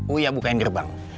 oh iya bukain gerbang